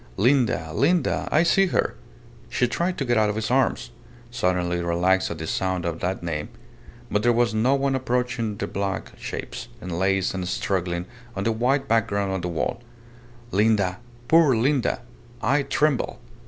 Linda, Linda I see her!" ... She tried to get out of his arms, suddenly relaxed at the sound of that name. But there was no one approaching their black shapes, enlaced and struggling on the white background of the wall. "Linda! Poor Linda! I tremble!